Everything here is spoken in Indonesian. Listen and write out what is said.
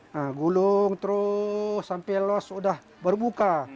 nah gulung terus sampai los sudah baru buka